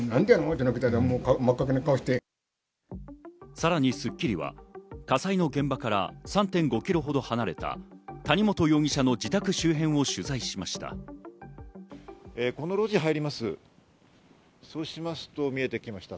さらに『スッキリ』は火災の現場から３．５ｋｍほど離れた谷本容疑者の自宅周辺を取材しました。